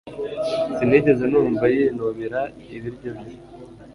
Sinigeze numva yinubira ibiryo bye